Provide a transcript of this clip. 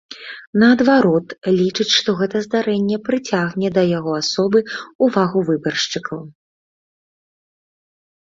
Наадварот, лічыць, што гэта здарэнне прыцягне да яго асобы ўвагу выбаршчыкаў.